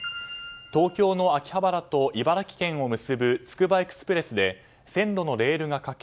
東京の秋葉原と茨城県を結ぶつくばエクスプレスで線路のレールが欠け